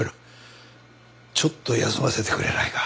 ちょっと休ませてくれないか？